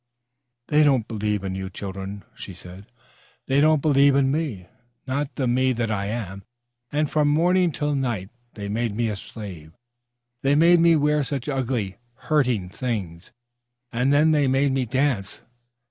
"They don't believe in you, children," she said. "They don't believe in me, not the me that I am. And from morning to night they made me a slave. They made me wear such ugly, hurting things, and then they made me dance!